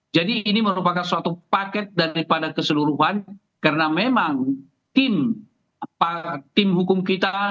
jadi ini merupakan suatu paket daripada keseluruhan karena memang tim hukum kita